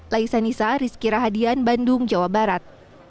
laisa nisa rizky rahadian bandung jawa barat